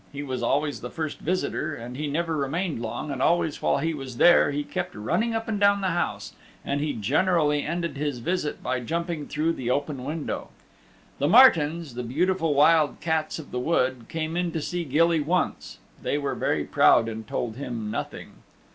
He was always the first visitor and he never remained long, and always while he was there he kept running up and down the house, and he generally ended his visit by jumping through the open window. The martens, the beautiful wild cats of the wood, came in to see Gilly once; they were very proud and told him nothing.